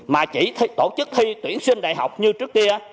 mà chỉ tổ chức thi tuyển sinh đại học như trước kia